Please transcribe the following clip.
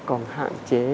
còn hạn chế